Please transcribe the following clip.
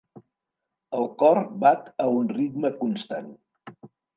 El cor bat a un ritme constant.